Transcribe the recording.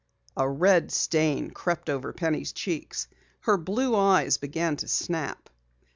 A red stain crept over Penny's cheeks. Her blue eyes began to snap.